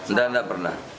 enggak enggak pernah